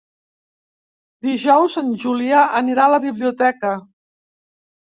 Dijous en Julià anirà a la biblioteca.